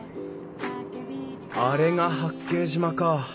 あれが八景島か。